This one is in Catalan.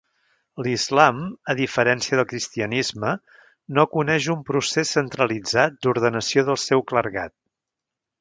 L'Islam, a diferència del cristianisme, no coneix un procés centralitzat d'ordenació del seu clergat.